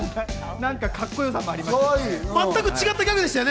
なんかカッコよさもありましたよね。